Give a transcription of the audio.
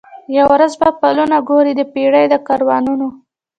یوه ورځ به پلونه ګوري د پېړۍ د کاروانونو